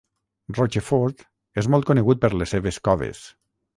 Rochefort és molt conegut per les seves coves.